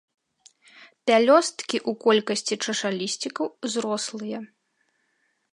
Пялёсткі ў колькасці чашалісцікаў зрослыя.